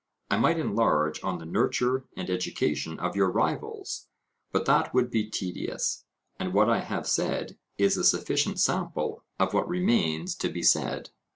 I might enlarge on the nurture and education of your rivals, but that would be tedious; and what I have said is a sufficient sample of what remains to be said.